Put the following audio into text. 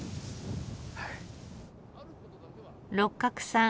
六角さん